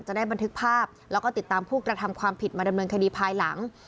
บันทึกภาพแล้วก็ติดตามผู้กระทำความผิดมาดำเนินคดีภายหลัง